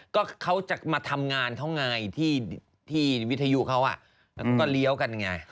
ก็เขาจะมาทำงานเขาไงที่วิทยุเขาแล้วก็เลี้ยวกันไง